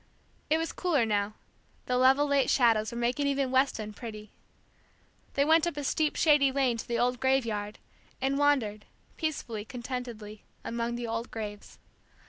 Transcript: It was cooler now, the level late shadows were making even Weston pretty. They went up a steep shady lane to the old graveyard, and wandered, peacefully, contentedly, among the old graves.